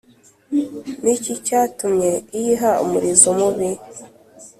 Niki cyatumye iyiha umurizo mubi